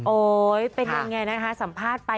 โอ๊ยเป็นยังไงนะคะสัมภาษณ์ไป